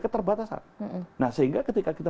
keterbatasan nah sehingga ketika kita